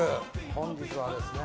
本日はですね